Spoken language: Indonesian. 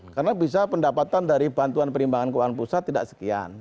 karena bisa pendapatan dari bantuan perimbangan keuangan pusat tidak sekian